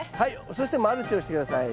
そしてマルチをして下さい。